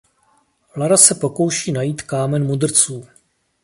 Lara se pokouší najít Kámen mudrců.